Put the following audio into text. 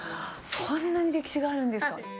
そんなに歴史があるんですか。